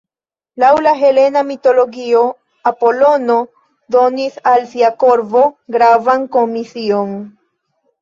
Laŭ la helena mitologio, Apolono donis al sia korvo gravan komision.